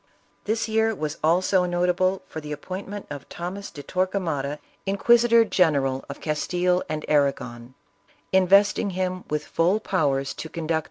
This year was also notable for the appointment of Thomas de Torquemada inquisitor general of Castile and Arragon, investing him with full powers to conduct